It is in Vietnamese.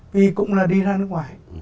vì cũng là đi ra nước ngoài